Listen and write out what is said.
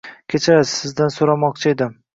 Kechirasiz, sizdan so’ramoqchi edim.